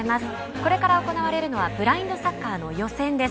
これから行われるのはブラインドサッカーの予選です。